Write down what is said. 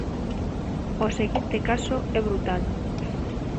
O seguinte caso é brutal.